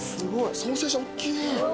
ソーセージおっきい。